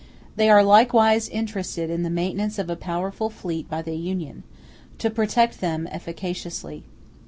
They are likewise interested in the maintenance of a powerful fleet by the Union, to protect them efficaciously.